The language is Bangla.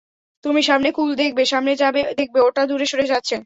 তুমি সামনে কূল দেখবে, সামনে যাবে, দেখবে ওটা দূরে সরে যাচ্ছে।